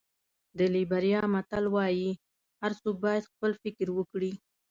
د لېبریا متل وایي هر څوک باید خپل فکر وکړي.